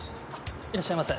いらっしゃいませ。